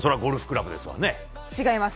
違います。